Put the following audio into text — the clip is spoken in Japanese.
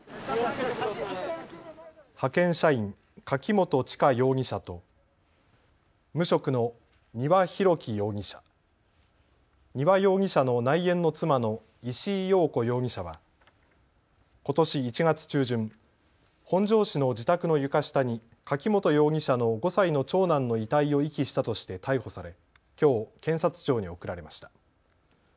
派遣社員、柿本知香容疑者と無職の丹羽洋樹容疑者、丹羽容疑者の内縁の妻の石井陽子容疑者はことし１月中旬、本庄市の自宅の床下に柿本容疑者の５歳の長男の遺体を遺棄したとして逮捕されきょう検察庁に送られました。